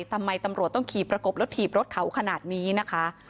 ตำรวจต้องขี่ประกบแล้วถีบรถเขาขนาดนี้นะคะ